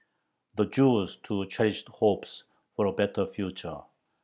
The Jews too cherished hopes for a better future.